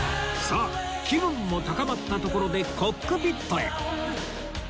さあ気分も高まったところでコックピットへ